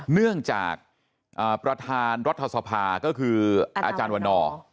เนื่องจากประธานรัฐสภาก็คืออาจารย์วันนอร์